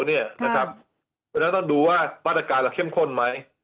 เพราะฉะนั้นต้องดูว่ามาตรการเราเข้มข้นไหม